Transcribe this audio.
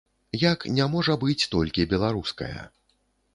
Як не можа быць толькі беларуская.